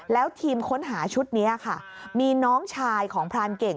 แล้วทีมค้นหาชุดนี้ค่ะมีน้องชายของพรานเก่ง